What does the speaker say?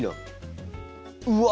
うわ！